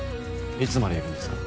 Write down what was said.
いつまでいるんですか？